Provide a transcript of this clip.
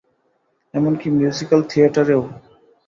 এমনকি মিউজিক্যাল থিয়েটারে ও।